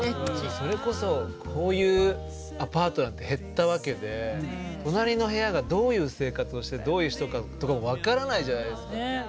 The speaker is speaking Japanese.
それこそこういうアパートなんて減ったわけで隣の部屋がどういう生活をしてどういう人かとかも分からないじゃないですか。